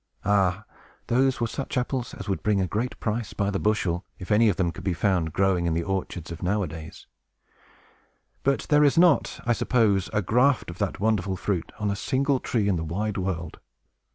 Ah, those were such apples as would bring a great price, by the bushel, if any of them could be found growing in the orchards of nowadays! But there is not, I suppose, a graft of that wonderful fruit on a single tree in the wide world.